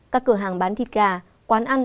các cửa hàng bán thịt gà quán ăn